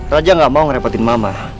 raja gak mau ngerepetin mama